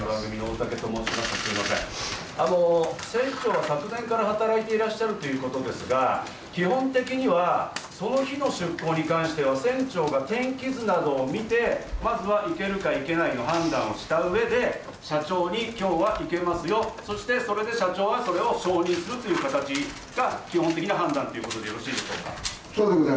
船長は昨年から働いていらっしゃるということですが、基本的にはその日の出港に関しては船長が天気図などを見て、まずは行けるか行けないかの判断をしたうえで社長に今日は行けますよ、それで社長はそれを承認するという形が基本的な判断ということでよろしいでしょうか。